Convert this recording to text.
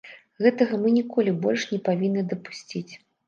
Гэтага мы ніколі больш не павінны дапусціць.